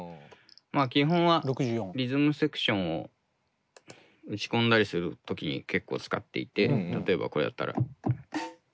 基本はリズムセクションを打ち込んだりする時に結構使っていて例えばこれだったら。